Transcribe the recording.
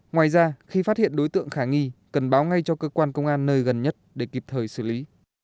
ngoài ra khi phát hiện đối tượng khả nghi cần báo ngay cho cơ quan công an nơi gần nhất để kịp thời xử lý